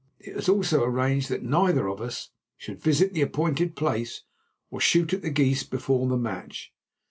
It was also arranged that neither of us should visit the appointed place, or shoot at the geese before the match.